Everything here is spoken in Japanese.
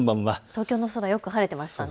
東京の空、よく晴れてましたね。